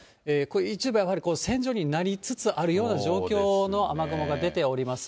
一部やはり、線状になりつつあるような状況の雨雲が出ております。